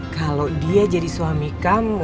kalau dia jadi suami kamu